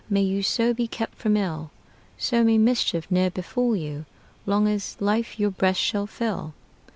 May you so be kept from ill! So may mischief ne'er befall you, Long as life your breast shall fill!